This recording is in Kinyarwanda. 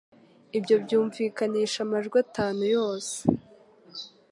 Ibyo byumvikanisha amajwi atanu yose